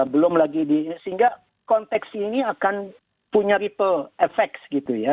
belum lagi di sehingga konteks ini akan punya ripple effect gitu ya